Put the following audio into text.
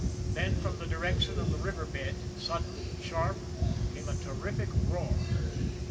Then, from the direction of the river bed, sudden, sharp, came a terrific roar.